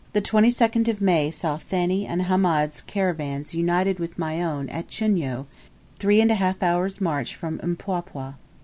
The 22nd of May saw Thani and Hamed's caravans united with my own at Chunyo, three and a half hours' march from Mpwapwa.